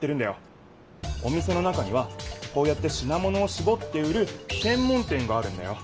お店の中にはこうやってしな物をしぼって売るせんもん店があるんだよ。